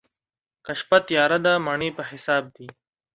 که شپه تياره ده، مڼې په حساب دي.